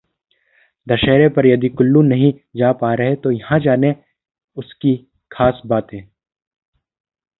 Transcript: दशहरे पर यदि कुल्लू नहीं जा पा रहे तो यहां जानें उसकी खास बातें